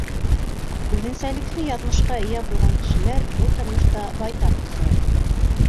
Үҙенсәлекле яҙмышҡа эйә булған кешеләр был тормошта байтаҡ осрай.